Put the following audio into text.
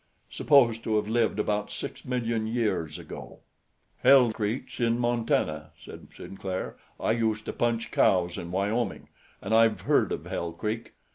Supposed to have lived about six million years ago." "Hell Creek's in Montana," said Sinclair. "I used to punch cows in Wyoming, an' I've heard of Hell Creek.